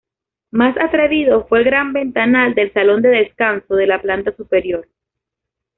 Más atrevido fue el gran ventanal del salón de descanso de la planta superior.